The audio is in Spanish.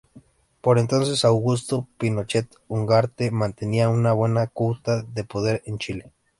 Por entonces Augusto Pinochet Ugarte mantenía una buena cuota de poder en Chile.